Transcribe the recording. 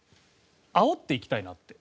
あおっていきたいなって。